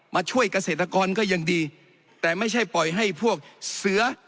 มาช่วยเกษตรกรก็ยังดีแต่ไม่ใช่ปล่อยให้พวกเสือ